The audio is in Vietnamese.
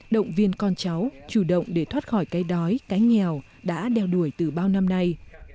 động viên con cháu chủ động để thoát khỏi cái đói cái nghèo đã đeo đuổi từ bao năm nay